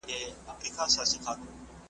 لا به تر څو د خپل ماشوم زړګي تسل کومه `